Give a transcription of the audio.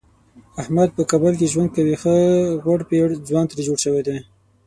احمد په کابل کې ژوند کوي ښه غوړپېړ ځوان ترې جوړ شوی دی.